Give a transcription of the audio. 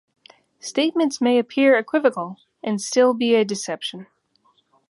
Statements may appear equivocal and still be a deception.